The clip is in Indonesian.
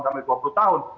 sampai dua puluh tahun